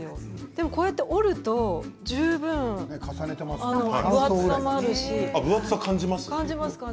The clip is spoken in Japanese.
でも、こうやって折ると十分分厚さ、感じますか？